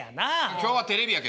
今日はテレビやけども。